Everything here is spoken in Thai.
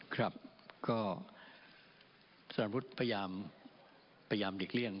ครับก็สรรพุทธพยายามพยายามหลีกเลี่ยง